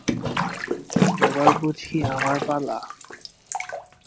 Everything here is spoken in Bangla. এবার বুঝি আমার পালা?